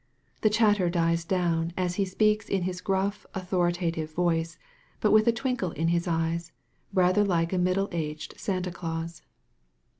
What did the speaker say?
The chatter dies down, as he speaks in his gruff authoritative voice, but with a twinkle in his eyes, rather l^e a middle aged Santa Claus.